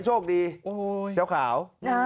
รอดแล้ว